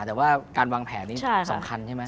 แต่ว่าการวางแผนนี้สำคัญใช่ไหม